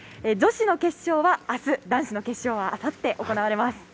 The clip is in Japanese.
女子の決勝は明日男子の決勝はあさって行われます。